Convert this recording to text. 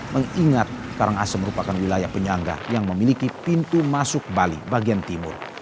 mengingat karangasem merupakan wilayah penyangga yang memiliki pintu masuk bali bagian timur